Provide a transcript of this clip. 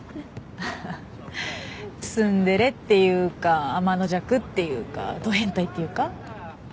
ははっツンデレっていうかあまのじゃくっていうかド変態っていうか？